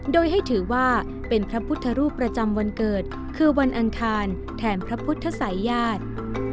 โดยให้ถือว่าเป็นพระพุทธรูปประจำวันเกิดคือวันอังคารแทนพระพุทธศัยญาติ